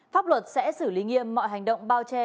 pháp luật sẽ xử lý nghiêm mọi hành động bao che